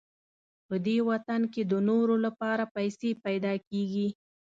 په دې وطن کې د نورو لپاره پیسې پیدا کېږي.